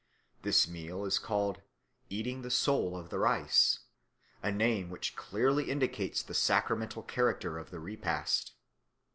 This meal is called "eating the soul of the rice," a name which clearly indicates the sacramental character of the repast.